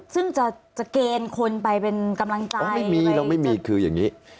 ซึ่งจะเกณฑ์คนไปเป็นกำลังใจไม่มีเราไม่มีคืออย่างนี้